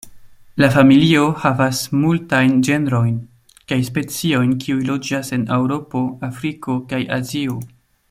La familio havas multajn genrojn kaj speciojn kiuj loĝas en Eŭropo, Afriko kaj Azio.